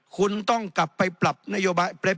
คุณต้องกลับไปปรับ